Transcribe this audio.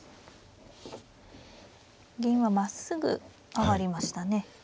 銀はまっすぐ上がりましたね。